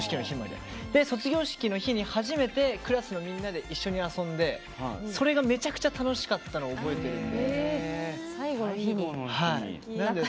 で、卒業式の日に初めてクラスのみんなで一緒に遊んでそれがめちゃくちゃ楽しかったのを覚えてるんで。